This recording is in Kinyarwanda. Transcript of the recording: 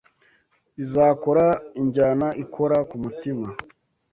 Bizakora injyana ikora ku mutima